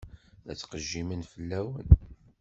La ttqejjimen fell-awen.